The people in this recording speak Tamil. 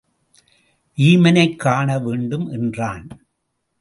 வீமனைக் காணவேண்டும் என்றான்.